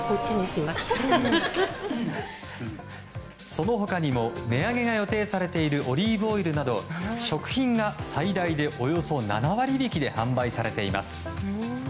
その他にも値上げが予定されているオリーブオイルなど食品が最大でおよそ７割引きで販売されています。